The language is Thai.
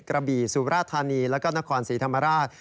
กระบี่สุราธานีแล้วก็นครศรีธรรมราช